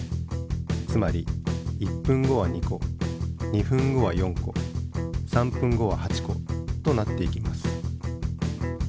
つまり１分後は２個２分後は４個３分後は８個となっていきます。